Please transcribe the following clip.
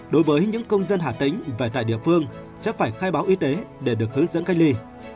đối với những công dân hà tĩnh về tại địa phương sẽ phải khai báo y tế để được hướng dẫn cách ly